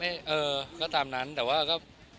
เออก็ตามนั้นแต่ว่าก็